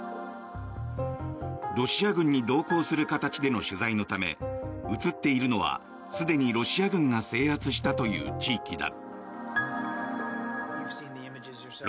ロシア軍に同行する形での取材のため映っているのはすでにロシア軍が制圧したという地域だ。